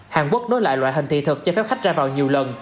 hàn quốc nối lại loại hình thị thực cho phép khách ra vào nhiều lần